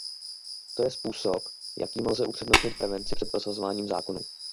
To je způsob, jakým lze upřednostnit prevenci před prosazováním zákonů.